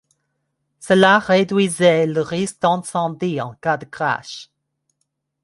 Cela réduisait le risque d'incendie en cas de crash.